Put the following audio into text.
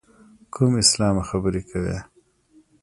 کوم اسلامه خبرې کوې.